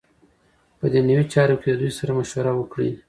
په دنیوی چارو کی ددوی سره مشوره وکړی .